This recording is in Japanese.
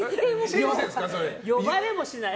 呼ばれもしない。